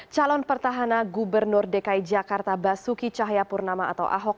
calon pertahanan gubernur dki jakarta basuki cahayapurnama atau ahok